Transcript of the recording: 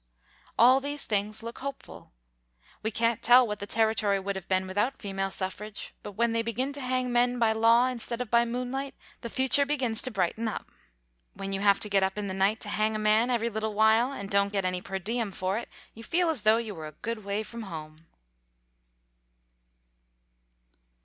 All these things look hopeful. We can't tell what the Territory would have been without female suffrage, but when they begin to hang men by law instead of by moonlight, the future begins to brighten up. When you have to get up in the night to hang a man every little while and don't get any per diem for it, you feel as though you were a good way from home.